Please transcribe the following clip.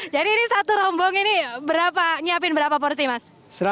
jadi ini satu rombong ini berapa nyiapin berapa porsi mas